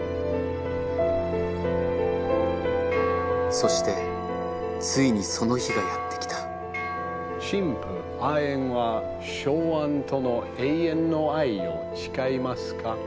そしてついにその日がやって来た新婦アエンはショウアンとの永遠の愛を誓いますか？